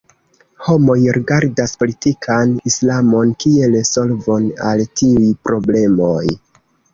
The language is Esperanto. Homoj rigardas politikan Islamon kiel solvon al tiuj problemoj.